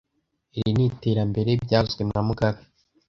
Iri ni iterambere byavuzwe na mugabe